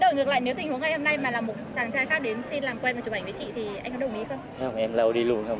đổi ngược lại nếu tình huống ngày hôm nay mà là một chàng trai khác đến xin làm quen và chụp ảnh với chị thì anh có đồng ý không